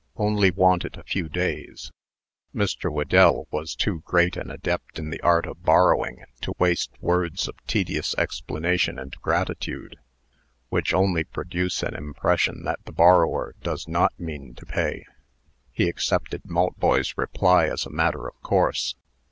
"Only want it a few days." Mr. Whedell was too great an adept in the art of borrowing, to waste words of tedious explanation and gratitude, which only produce an impression that the borrower does not mean to pay. He accepted Maltboy's reply as a matter of course.